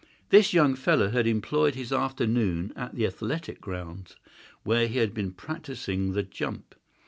This young fellow had employed his afternoon at the athletic grounds, where he had been practising the jump.